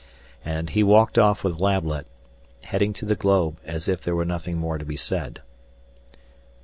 And he walked off with Lablet, heading to the globe, as if there was nothing more to be said.